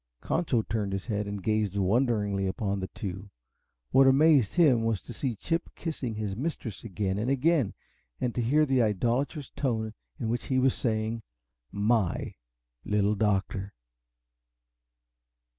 Concho turned his head and gazed wonderingly upon the two. What amazed him was to see Chip kissing his mistress again and again, and to hear the idolatrous tone in which he was saying "MY Little Doctor!"